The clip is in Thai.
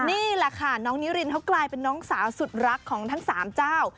นี่แหละค่ะน้องนิรินเขากลายเป็นน้องสาวสุดรักของทั้งสามเจ้า